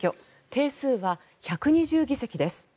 定数は１２０議席です。